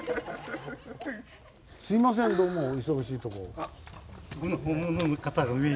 すみませんどうもお忙しいとこ。